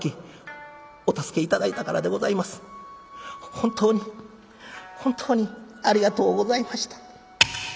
本当に本当にありがとうございました」。